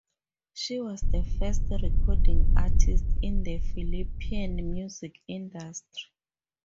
She was the first recording artist in the Philippine music industry.